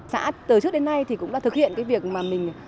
xã từ trước đến nay thì cũng đã thực hiện cái việc mà mình